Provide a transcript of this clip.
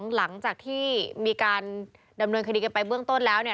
หลังจากที่มีการดำเนินคดีกันไปเบื้องต้นแล้วเนี่ย